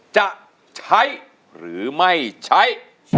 จะใช้หรือไม่ใช้